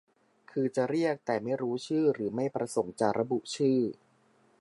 คือจะเรียกแต่ไม่รู้ชื่อหรือไม่ประสงค์จะระบุชื่อ